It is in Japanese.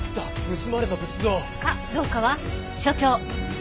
盗まれた仏像！かどうかは所長。